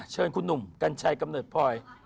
เชิญคุณหนุ่มกัญชัยกำเนิดพลอย